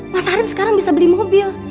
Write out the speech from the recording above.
mas arief sekarang bisa beli mobil